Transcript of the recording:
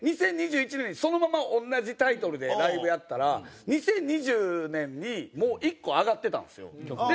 ２０２１年にそのまま同じタイトルでライブやったら２０２０年にもう１個あがってたんですよ。